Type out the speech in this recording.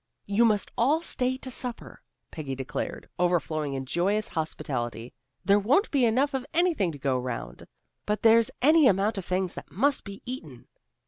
"You must all stay to supper," Peggy declared, overflowing in joyous hospitality. "There won't be enough of anything to go around, but there's any amount of things that must be eaten."